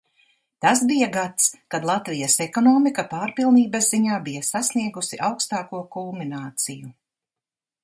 Tas bija gads, kad Latvijas ekonomika pārpilnības ziņā bija sasniegusi augstāko kulmināciju.